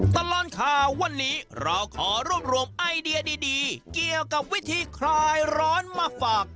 ตลอดข่าววันนี้เราขอรวบรวมไอเดียดีเกี่ยวกับวิธีคลายร้อนมาฝาก